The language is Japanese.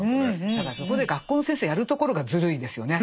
だからそこで学校の先生やるところがずるいですよね。